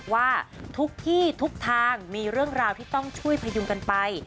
ว่าทุกที่ทุกทางมีเรื่องราวที่ต้องช่วยพยุงกันไป